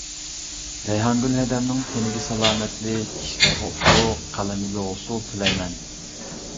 رەيھانگۈل ھەدەمنىڭ تېنىگە سالامەتلىك، ئىشلىرىغا ئۇتۇق، قەلىمىگە ھوسۇل تىلەيمەن!